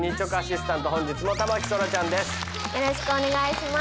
よろしくお願いします。